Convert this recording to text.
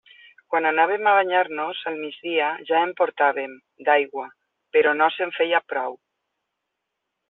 Quan anàvem a banyar-nos al migdia ja en portàvem, d'aigua, però no se'n feia prou.